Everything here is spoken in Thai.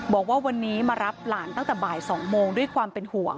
บอกว่าวันนี้มารับหลานตั้งแต่บ่าย๒โมงด้วยความเป็นห่วง